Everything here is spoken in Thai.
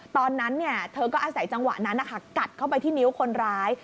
ตอนนั้นเธอก็อาศัยจังหวะนั้นกัดเข้าไปที่นิ้วคนร้าย